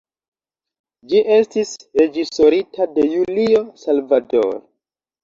Ĝi estis reĝisorita de Julio Salvador.